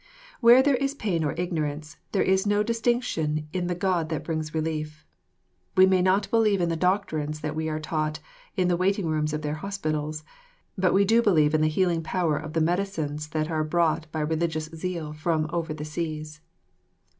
Where there is pain or ignorance, there is no distinction in the God that brings relief. We may not believe in the doctrines that we are taught in the waiting rooms of their hospitals, but we do believe in the healing power of the medicines that are brought by religious zeal from over the seas.